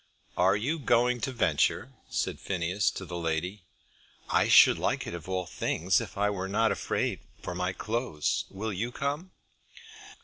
"Are you going to venture?" said Phineas to the lady. "I should like it of all things if I were not afraid for my clothes. Will you come?"